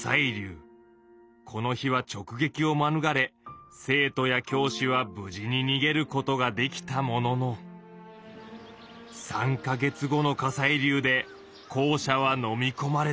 この日はちょくげきをまぬがれ生徒や教師は無事ににげることができたものの３か月後の火砕流で校舎はのみこまれてしまった。